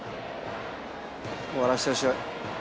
終わらせてほしい。